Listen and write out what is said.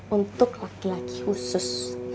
untuk laki laki khusus